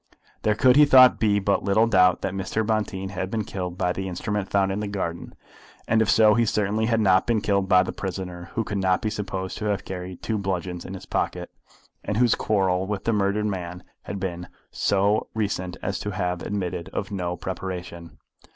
There could, he thought, be but little doubt that Mr. Bonteen had been killed by the instrument found in the garden, and if so, he certainly had not been killed by the prisoner, who could not be supposed to have carried two bludgeons in his pocket, and whose quarrel with the murdered man had been so recent as to have admitted of no preparation.